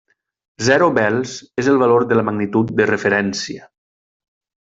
Zero bels és el valor de la magnitud de referència.